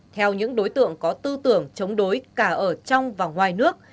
theo những đối tượng có tư tưởng chống đối cả ở trong và ngoài nước